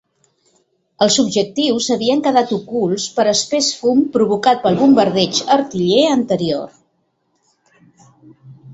Els objectius havien quedat ocults per espès fum provocat pel bombardeig artiller anterior.